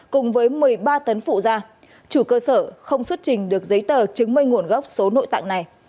cùng với một mươi ba tấn phụ ra chủ cơ sở không xuất trình được giấy tờ chứng minh nguồn gốc số nội tạng này